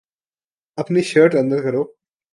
اپنی شرٹ اندر کرو